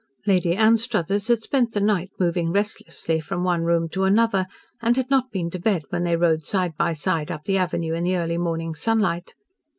Lady Anstruthers had spent the night moving restlessly from one room to another, and had not been to bed when they rode side by side up the avenue in the early morning sunlight.